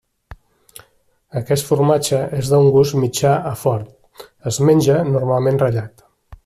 Aquest formatge és d'un gust mitjà a fort; es menja normalment ratllat.